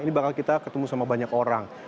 ini bakal kita ketemu sama banyak orang